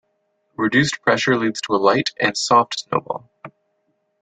Reduced pressure leads to a light and soft snowball.